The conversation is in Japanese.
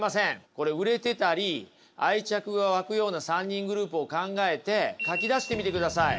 これ売れてたり愛着が湧くような３人グループを考えて書き出してみてください。